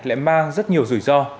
lại mang rất nhiều rủi ro